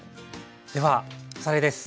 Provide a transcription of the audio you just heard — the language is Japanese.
ではおさらいです。